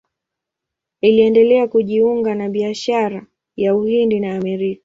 Iliendelea kujiunga na biashara ya Uhindi na Amerika.